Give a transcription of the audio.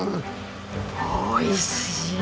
おいしい！